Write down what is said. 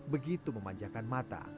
begitu memanjakan mata